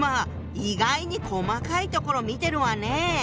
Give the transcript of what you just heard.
意外に細かいところ見てるわね！